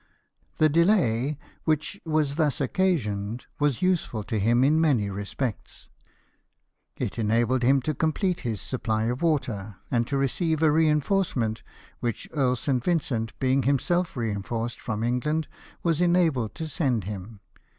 The delay which was thus occasioned was useful to him in many respects ; it enabled him to complete his supply of water, and to receive a reinforcement, which Earl St. Vincent, being himself reinforced from England, was enabled to send him.